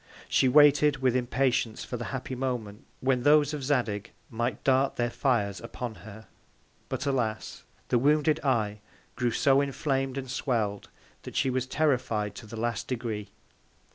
She waited with Impatience for the happy Moment, when those of Zadig might dart their Fires upon her; but alas! the wounded Eye grew so inflam'd and swell'd, that she was terrified to the last Degree.